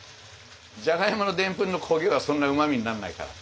じゃがいものでんぷんの焦げはそんなうま味になんないから。